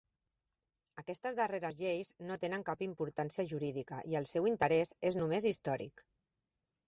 Aquestes darreres lleis no tenen cap importància jurídica i el seu interès és només històric.